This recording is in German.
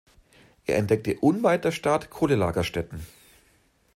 Er entdeckte unweit der Stadt Kohlelagerstätten.